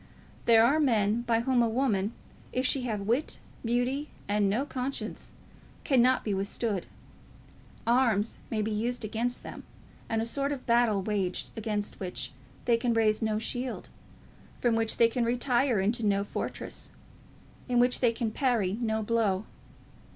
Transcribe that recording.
There are men by whom a woman, if she have wit, beauty, and no conscience, cannot be withstood. Arms may be used against them, and a sort of battle waged, against which they can raise no shield, from which they can retire into no fortress, in which they can parry no blow.